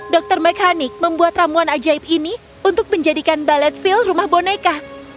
dr mechanic membuat ramuan ajaib ini untuk menjadikan balletville rumah boneka